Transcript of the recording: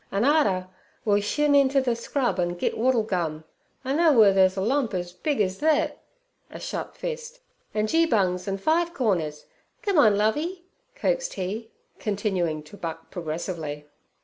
An' arter we'll shin inter ther scrub an' git wattle gum. I know wur ther's a lump ez big ez thet' (a shut fist), 'an' geebungs, an' five corners. Come on, Lovey' coaxed he, continuing to buck progressively.